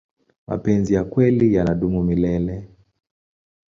mapenzi ya kweli yanadumu milele